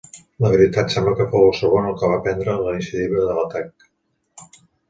La veritat sembla que fou el segon el que va prendre la iniciativa de l'atac.